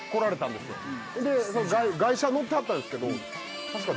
外車乗ってはったんすけど確か。